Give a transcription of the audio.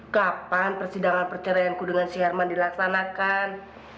kapan persidangan perceraianku dengan si herman dilaksanakan